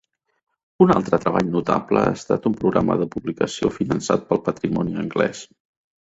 Un altre treball notable ha estat un programa de publicació finançat pel Patrimoni anglès.